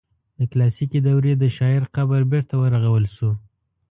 د کلاسیکي دورې د شاعر قبر بیرته ورغول شو.